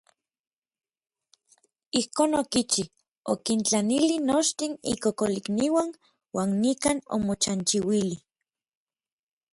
Ijkon okichi, okintlanili nochtin ikokolikniuan uan nikan omochanchiuili.